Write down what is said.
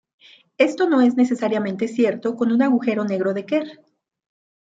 Esto no es necesariamente cierto con un agujero negro de Kerr.